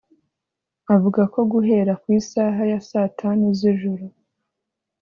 avuga ko guhera ku isaha ya saa tanu z’ijoro